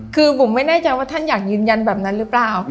คือผมไม่แน่ใจว่าท่านอยากยืนยันแบบนั้นหรือเปล่า